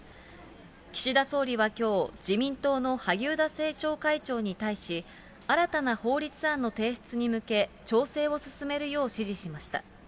岸田総理はきょう、自民党の萩生田政調会長に対し、新たな法律案の提出に向け、調整を進めるよう指示しました。